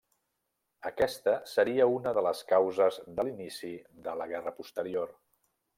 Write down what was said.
Aquesta seria una de les causes de l'inici de la guerra posterior.